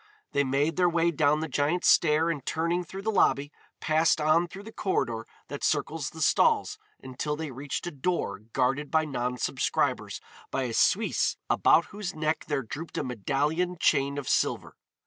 They made their way down the giant stair and turning through the lobby passed on through the corridor that circles the stalls until they reached a door guarded from non subscribers by a Suisse about whose neck there drooped a medallioned chain of silver.